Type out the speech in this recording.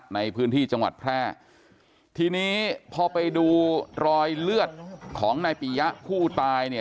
ในพื้นที่จังหวัดแพร่ทีนี้พอไปดูรอยเลือดของนายปียะผู้ตายเนี่ย